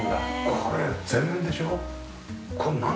これ全面でしょ？